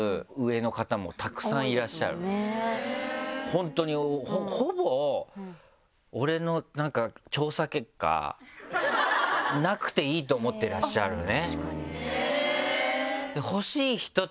本当にほぼ俺の調査結果なくていいと思ってらっしゃるね。